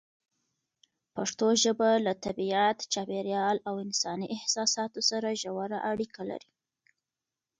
پښتو ژبه له طبیعت، چاپېریال او انساني احساساتو سره ژوره اړیکه لري.